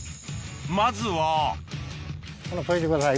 まずは解いてください